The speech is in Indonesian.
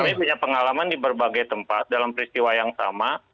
kami punya pengalaman di berbagai tempat dalam peristiwa yang sama